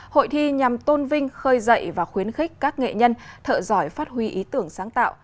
hội thi nhằm tôn vinh khơi dậy và khuyến khích các nghệ nhân thợ giỏi phát huy ý tưởng sáng tạo